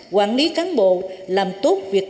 quản lý cán bộ làm tốt việc